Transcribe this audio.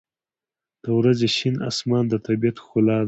• د ورځې شین آسمان د طبیعت ښکلا ده.